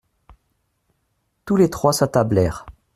Tous les trois s'attablèrent.